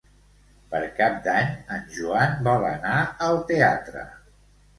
Per Cap d'Any en Joan vol anar al teatre.